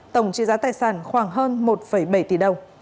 tổng trị giá tài sản khoảng hơn một bảy tỷ đồng